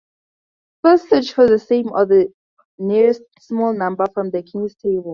First search for the same or the nearest smaller number from the King's Table.